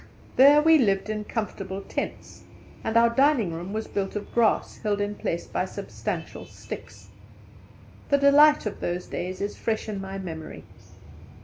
There we lived in comfortable tents, and our dining room was built of grass held in place by substantial sticks. The delight of those days is fresh in my memory.